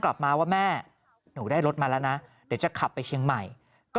กลับมาว่าแม่หนูได้รถมาแล้วนะเดี๋ยวจะขับไปเชียงใหม่ก็